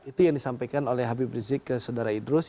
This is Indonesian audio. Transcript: itu yang disampaikan oleh habib rizik ke saudara idrus